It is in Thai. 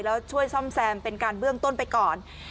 แล้วช่วยซ่อมแซมเป็นการเบื้องต้นไปก่อน